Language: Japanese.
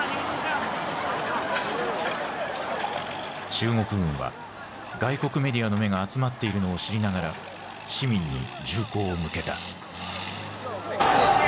中国軍は外国メディアの目が集まっているのを知りながら市民に銃口を向けた。